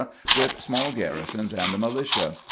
with small garri sons and the militia.